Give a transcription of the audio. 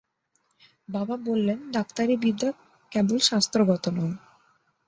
বাবা বললেন, ডাক্তারি বিদ্যে কেবল শাস্ত্রগত নয়।